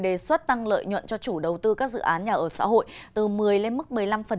đề xuất tăng lợi nhuận cho chủ đầu tư các dự án nhà ở xã hội từ một mươi lên mức một mươi năm